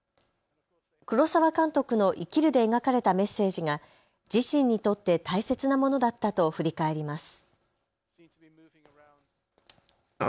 黒澤監督の生きるで描かれたメッセージが自身にとって大切なものだったと振り返ります。